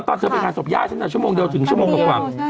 ตอนเธอไปการศพย่าฉะเชิงเซาปกติชั่วโมงเดียวถึงชั่วโมงตรงกว่า